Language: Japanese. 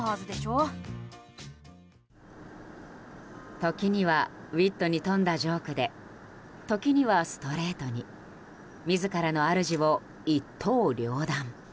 時にはウィットに富んだジョークで時にはストレートに自らのあるじを一刀両断。